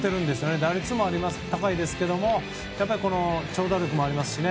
打率も高いですけれども長打力もありますしね。